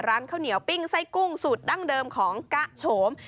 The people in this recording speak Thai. ร้านข้าวเหนียวปิ้งไส้กุ้งสูตรดั้งเดิมของกะโฉม